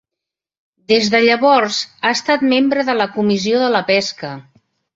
Des de llavors ha estat membre de la Comissió de la pesca.